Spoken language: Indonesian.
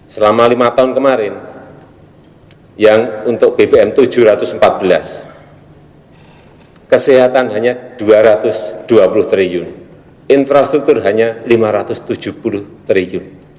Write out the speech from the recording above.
selama lima tahun kemarin yang untuk bbm tujuh ratus empat belas kesehatan hanya rp dua ratus dua puluh triliun infrastruktur hanya rp lima ratus tujuh puluh triliun